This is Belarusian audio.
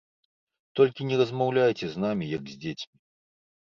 Толькі не размаўляйце з намі, як з дзецьмі.